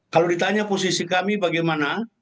kalau ditanya posisi kami bagaimana